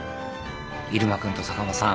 入間君と坂間さん